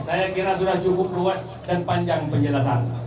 saya kira sudah cukup luas dan panjang penjelasan